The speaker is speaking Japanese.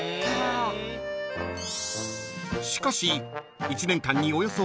［しかし］